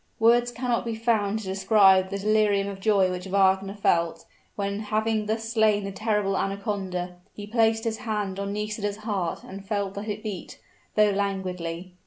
Words cannot be found to describe the delirium of joy which Wagner felt, when having thus slain the terrible anaconda, he placed his hand on Nisida's heart and felt that it beat though languidly.